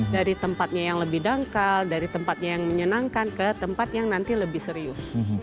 dari tempatnya yang lebih dangkal dari tempatnya yang menyenangkan ke tempat yang nanti lebih serius